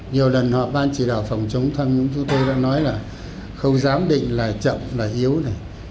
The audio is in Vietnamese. nhiều lần họ ban chỉ đạo phòng chống tham nhũng chúng tôi đã nói là không dám định là chậm là yếu này